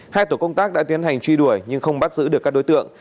hai tổ công tác đã tiến hành truy đuổi nhưng không bắt giữ được các đối tượng